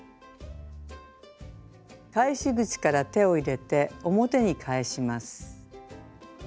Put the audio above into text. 返し口から手を入れて表に返します。